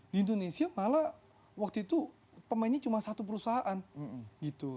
di indonesia malah waktu itu pemainnya cuma satu perusahaan gitu